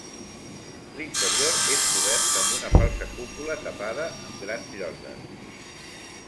L'interior és cobert amb una falsa cúpula tapada amb grans lloses.